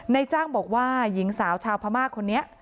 นายจ้างบอกว่าหญิงสาวชาวพระมาคคนนี้